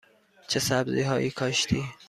چه سبزی هایی کاشتی؟